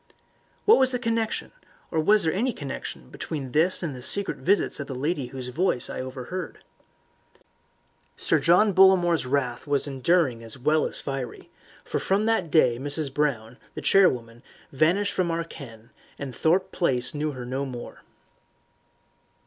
What was the connection, or was there any connection between this and the secret visits of the lady whose voice I had overheard? Sir John Bollamore's wrath was enduring as well as fiery, for from that day Mrs. Brown, the charwoman, vanished from our ken, and Thorpe Place knew her no more.